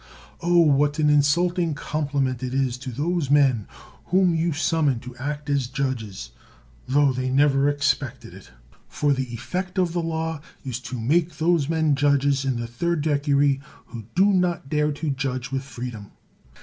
Oh, what an insulting compliment it is to those men whom you summon to act as judges tho they never expected it! For the effect of the law is to make those men judges in the third decury who do not dare to judge with free dom.